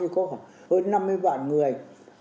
có hơn năm mươi vạn người